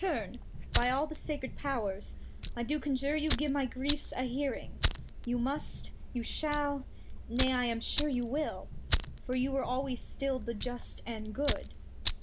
Turn, Gloster, Turn, by the sacred Pow'rs I do conjure you, give my Griefs a Hearing ; You must, you shall, nay, I am sure you wiU, For you were always styl'd the Just and Good.